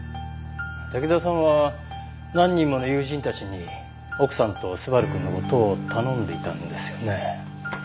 滝沢さんは何人もの友人たちに奥さんと昴くんの事を頼んでいたんですよね。